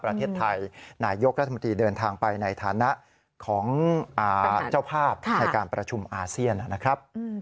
ประเทศไทยนายยกรัฐมนตรีเดินทางไปในฐานะของเจ้าภาพในการประชุมอาเซียนนะครับ